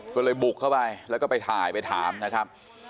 ก็เลยบุกเข้าไปแล้วก็ไปถ่ายไปถามนะครับ